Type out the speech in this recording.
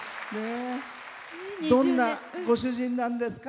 どんなご主人なんですか？